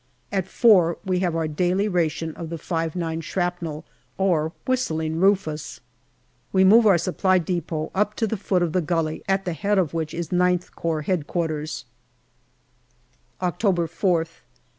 At four we have our daily ration of the 5*9 shrapnel or " Whistling Rufus." We move our Supply depot up to the foot of the gully at the head of which is IX Corps H.Q. October 4th.